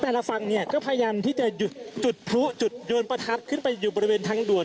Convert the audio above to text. แต่ละฝั่งเนี่ยก็พยายามที่จะจุดพลุจุดยนต์ประทับขึ้นไปอยู่บริเวณทางด่วน